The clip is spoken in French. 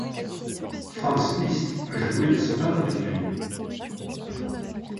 Franz Liszt a joué des sonates avec lui.